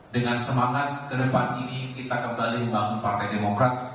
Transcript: dengan semangat ke depan ini kita kembali membangun partai demokrat